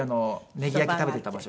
ネギ焼き食べていた所？